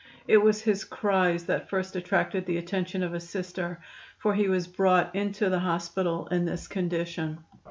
It was his cries that first attracted the attention of a Sister, for he was brought into the hospital in this condition.